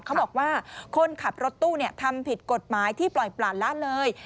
เขาบอกว่าคนขับรถตู้ทำผิดกฎหมายที่ปล่อยปลาละเลย